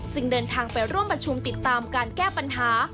เดินทางไปร่วมประชุมติดตามการแก้ปัญหา